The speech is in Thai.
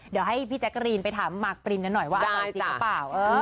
เดี๋ยวให้พี่แจ๊กกะรีนไปถามหมากปรินกันหน่อยว่าอร่อยจริงหรือเปล่า